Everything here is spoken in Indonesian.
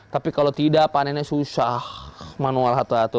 tapi kalau tidak panennya susah manual hatu hatu